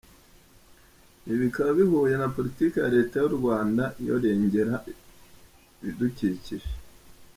Ibi bikaba bihuye na politike ya leta y’uRwanda yo rengera ibidukikije.